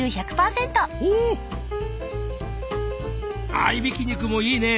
合挽き肉もいいね。